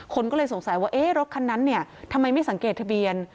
คนก็เลยสงสัยว่ารถคันนั้นเนี่ยทำไมไม่สังเกตทะเบียน